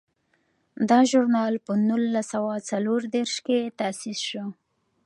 دا ژورنال په نولس سوه څلور دیرش کې تاسیس شو.